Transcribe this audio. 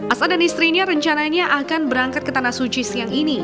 asa dan istrinya rencananya akan berangkat ke tanah suci siang ini